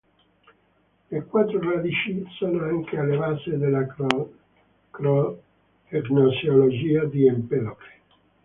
Le quattro radici sono anche alla base della gnoseologia di Empedocle.